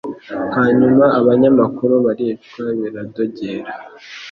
Hanyuma abanyamakuru baricwa biradogera